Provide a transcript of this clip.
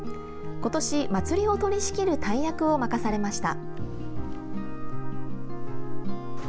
今年、祭りを取り仕切る大役を任されました。